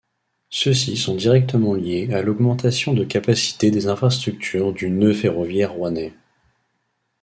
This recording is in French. Ceux-ci sont directement liés à l'augmentation de capacité des infrastructure du nœud ferroviaire rouennais.